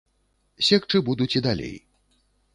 Секчы будуць і далей.